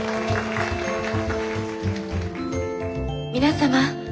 皆様